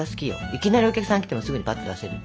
いきなりお客さん来てもすぐにぱっと出せる。